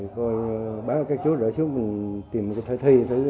cô bán các chút rồi xíu mình tìm một cái thợ thi